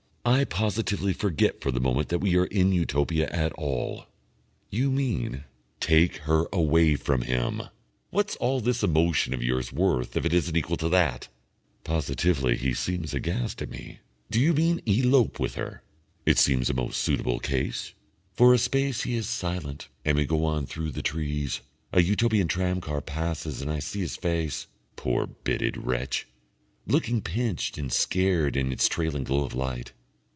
I positively forget for the moment that we are in Utopia at all. "You mean?" "Take her away from him! What's all this emotion of yours worth if it isn't equal to that!" Positively he seems aghast at me. "Do you mean elope with her?" "It seems a most suitable case." For a space he is silent, and we go on through the trees. A Utopian tram car passes and I see his face, poor bitted wretch! looking pinched and scared in its trailing glow of light.